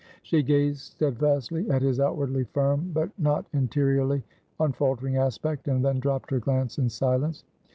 She gazed steadfastly at his outwardly firm, but not interiorly unfaltering aspect; and then dropped her glance in silence.